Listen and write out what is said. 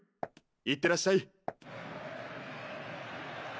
いってらっしゃい。